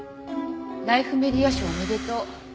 ライフメディア賞おめでとう。